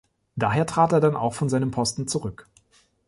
Daher trat er dann auch von seinem Posten zurück.